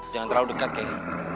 jangan terlalu dekat kay